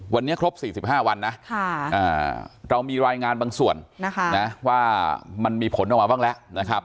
วันนี้ครบ๔๕วันนะเรามีรายงานบางส่วนนะคะว่ามันมีผลออกมาบ้างแล้วนะครับ